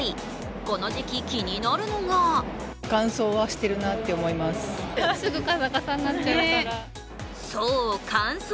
この時期、気になるのがそう、乾燥。